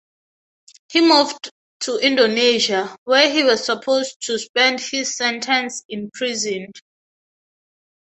He moved to Indonesia, where he was supposed to spend his sentence imprisoned.